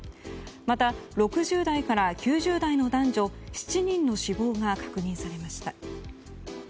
また、６０代から９０代の男女７人の死亡が確認されました。